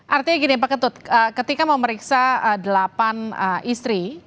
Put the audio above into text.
artinya gini pak ketut ketika memeriksa delapan istri